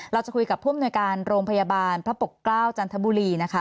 เราจะคุยกับผู้อำนวยการโรงพยาบาลพระปกเกล้าจันทบุรีนะคะ